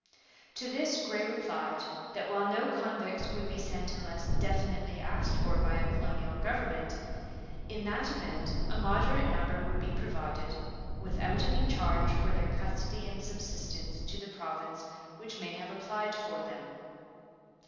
' To this Grey replied that while no convicts would be sent unless definitely asked for by a colonial government, in that event a moderate number would be provided 'without any charge for their custody and subsistence to the province which may have applied for them.'